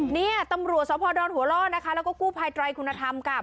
นี่ตำรวจศพบรรทวร้อนะคะและก็กู้ภายตรายคุณธรรมห์ค่ะ